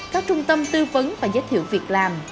các trung tâm tư vấn và giới thiệu việc làm